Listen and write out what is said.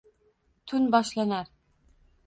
Tun boshlanar